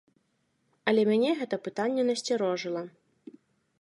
Але мяне гэта пытанне насцярожыла.